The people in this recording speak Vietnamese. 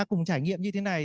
cùng trải nghiệm như thế này